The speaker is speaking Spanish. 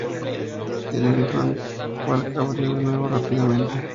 El Elephant Walk abrió de nuevo rápidamente.